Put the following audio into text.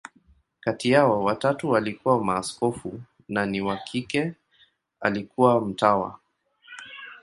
Kati yao, watatu walikuwa maaskofu, na wa kike alikuwa mtawa.